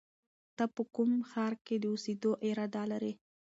ته په کوم ښار کې د اوسېدو اراده لرې؟